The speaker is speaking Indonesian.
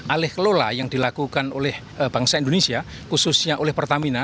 alih kelola yang dilakukan oleh bangsa indonesia khususnya oleh pertamina